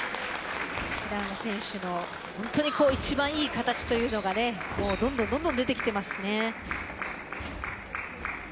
平野選手の本当に一番いい形というのがどんどん出てきていますね。